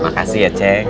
makasih ya ceng